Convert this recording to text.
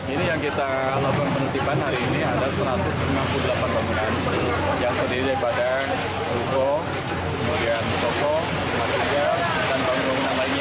ini yang kita lakukan penutupan hari ini adalah satu ratus enam puluh delapan bangunan yang terdiri daripada ruko kemudian toko dan juga bangunan lainnya